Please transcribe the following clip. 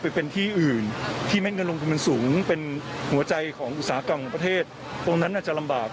ไปเป็นที่อื่นที่แม่เงินลงทุนมันสูงเป็นหัวใจของอุตสาหกรรมของประเทศตรงนั้นอาจจะลำบาก